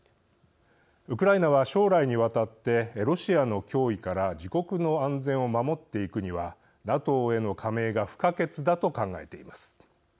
ウクライナは、将来にわたってロシアの脅威から自国の安全を守っていくにはＮＡＴＯへの加盟が不可欠だと考えています。